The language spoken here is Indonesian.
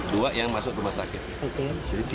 dua yang masuk rumah sakit